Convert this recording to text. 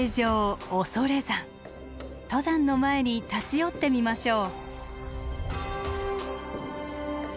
登山の前に立ち寄ってみましょう。